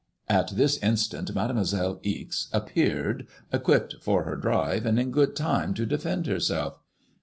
At this instant Mademoiselle Ixe appeared equipped for her drive, and in good time to defend herself.